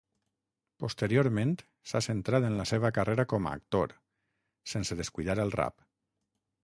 Posteriorment s'ha centrat en la seva carrera com a actor, sense descuidar el rap.